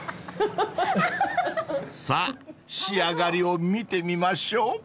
［さぁ仕上がりを見てみましょう］